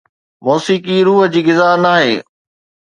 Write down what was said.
موسيقي روح جي غذا ناهي